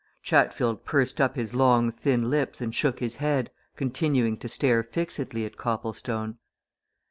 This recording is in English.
Chatfield pursed up his long thin lips and shook his head, continuing to stare fixedly at Copplestone.